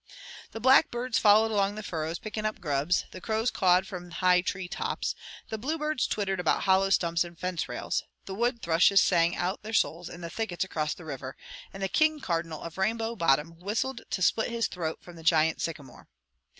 The blackbirds followed along the furrows picking up grubs, the crows cawed from high tree tops, the bluebirds twittered about hollow stumps and fence rails, the wood thrushes sang out their souls in the thickets across the river, and the King Cardinal of Rainbow Bottom whistled to split his throat from the giant sycamore.